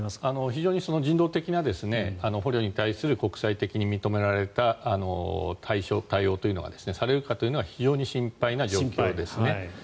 非常に人道的な捕虜に対する国際的に認められた対応というのがされるかというのが非常に心配な状況ですね。